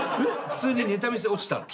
普通にネタ見せ落ちたの。